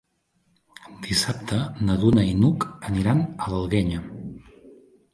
Dissabte na Duna i n'Hug aniran a l'Alguenya.